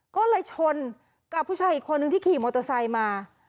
ก็เลยชนกับผู้ชายอีกคนนึงที่ขี่มอเตอร์ไซค์มา